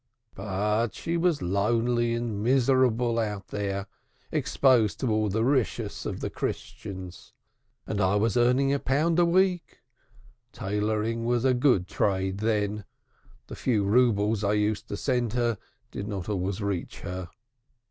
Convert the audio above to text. "But she was lonely and miserable out there, exposed to all the malice of the Christians. And I was earning a pound a week. Tailoring was a good trade then. The few roubles I used to send her did not always reach her."